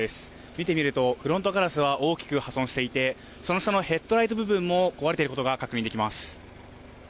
見てみるとフロントガラスが大きく破損していてその下のヘッドライト部分も壊れていることが確認できます。